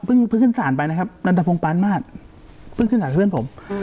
เพิ่งขึ้นศาลไปนะครับนันทพงศ์ปานมาสเพิ่งขึ้นสารกับเพื่อนผม